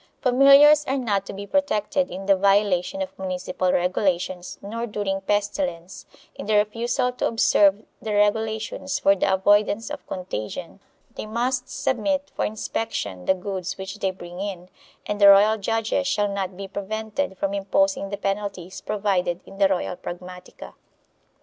Familiars are not to be protected in the violation of municipal regulations, nor, during pestilence, in the refusal to observe the regulations for the avoidance of contagion; they must submit for inspection the goods which they bring in and 444 CONFLICTING JURISDICTIONS [BOOK II the royal judges shall not be prevented from imposing the penalties provided in the royal pragmdtica.